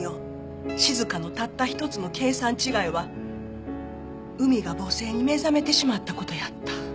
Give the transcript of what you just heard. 静香のたった一つの計算違いは海が母性に目覚めてしまった事やった。